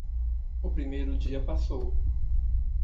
O primeiro dia passou.